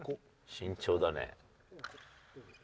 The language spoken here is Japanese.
慎重だね。